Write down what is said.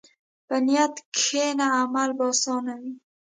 په نیت کښېنه، عمل به اسانه وي.